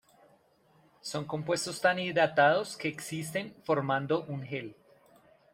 Son compuestos tan hidratados que existen formando un gel.